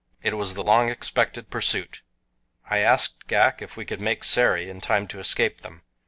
It was the long expected pursuit. I asked Ghak if we could make Sari in time to escape them.